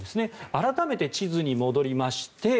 改めて地図に戻りまして